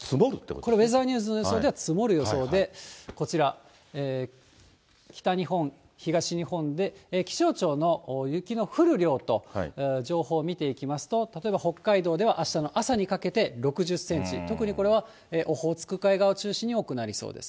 これ、ウェザーニューズの予想では、積もる予想で、こちら、北日本、東日本で気象庁の雪の降る量と、情報を見ていきますと、例えば北海道ではあしたの朝にかけて６０センチ、特にこれはオホーツク海側を中心に多くなりそうです。